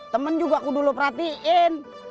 temen juga aku dulu perhatiin